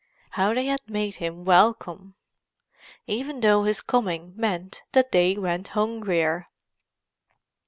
How they had made him welcome!—even though his coming meant that they went hungrier.